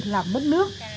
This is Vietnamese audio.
làm mất nước